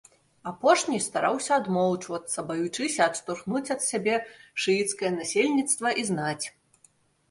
Апошні стараўся адмоўчвацца, баючыся адштурхнуць ад сябе шыіцкае насельніцтва і знаць.